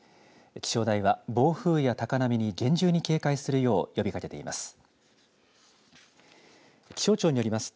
気象台は暴風や高波に厳重に警戒するよう呼びかけています。